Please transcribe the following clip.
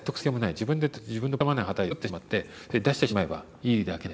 自分で自分のポケットマネーをはたいて作ってしまって出してしまえばいいだけなんで。